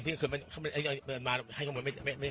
คนเข้ามีมาให้ข้อมูลไม่เชียร์